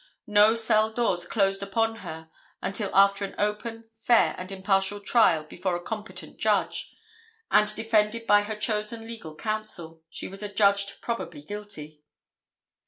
No cell doors closed upon her until after an open, fair and impartial trial before a competent judge, and defended by her chosen legal counsel, she was adjudged "probably guilty."